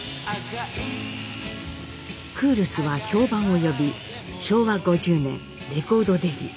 クールスは評判を呼び昭和５０年レコードデビュー。